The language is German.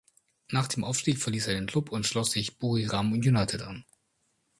Nach dem Aufstieg verließ er den Klub und schloss sich Buriram United an.